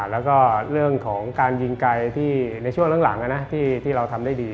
แล้วก็เรื่องของการยิงไกลในช่วงหลังที่เราทำได้ดี